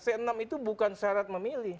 c enam itu bukan syarat memilih